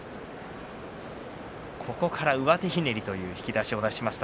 ここからの上手ひねりという引き出しを出しました